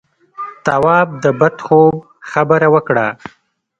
تواب د بد خوب خبره وکړه.